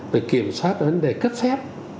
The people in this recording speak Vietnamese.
rồi kiểm soát vấn đề cấp xếp